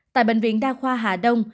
tại bệnh viện đa khoa hà đông